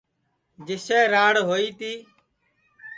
جس سے راڑ ہوئی تی